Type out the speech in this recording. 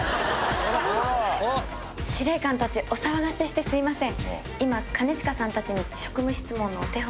司令官たちお騒がせしてすいません。